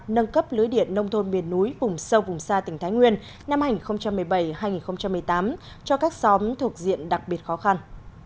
nâng cấp lưới điện nông thôn miền núi vùng sâu vùng xa tỉnh thái nguyên năm hai nghìn một mươi bảy hai nghìn một mươi tám cho các xóm thuộc diện đặc biệt khó khăn